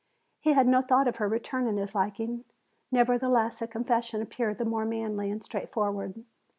He had no thought of her returning his liking; nevertheless, a confession appeared the more manly and straightforward.